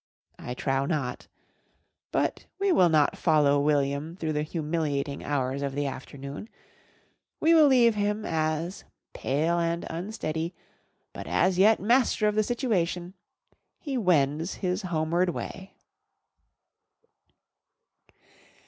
I trow not. But we will not follow William through the humiliating hours of the afternoon. We will leave him as, pale and unsteady, but as yet master of the situation, he wends his homeward way.